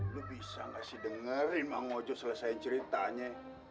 lo bisa gak sih dengerin mang ojo selesain ceritanya